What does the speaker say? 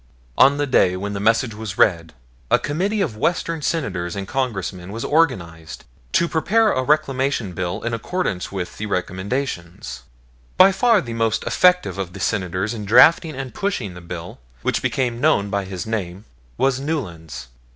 On the day the message was read, a committee of Western Senators and Congressmen was organized to prepare a Reclamation Bill in accordance with the recommendations. By far the most effective of the Senators in drafting and pushing the bill, which became known by his name, was Newlands.